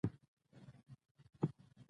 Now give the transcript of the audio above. بڼونه